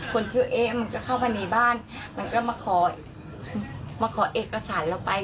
คนชื่อเอ๊ะมันจะเข้ามาในบ้านมันก็มาขอมาขอเอกสารเราไป